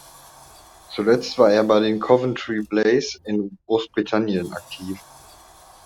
Zuletzt war er bei den Coventry Blaze in Großbritannien aktiv.